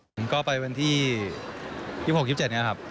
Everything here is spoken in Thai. ผมก็ไปวันที่๒๖๒๗นี้ครับ